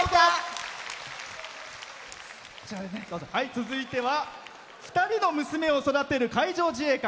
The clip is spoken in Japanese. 続いては、２人の娘を育てる海上自衛官。